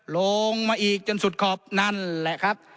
ลงมาอีกจนสุดขอบนั่นแหละครับ